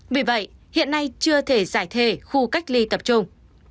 vì vậy hiện nay chưa thể giải thề khu cách ly tập trung